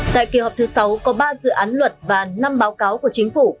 tại kỳ họp thứ sáu có ba dự án luật và năm báo cáo của chính phủ